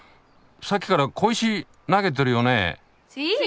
さっきから小石投げてるよね？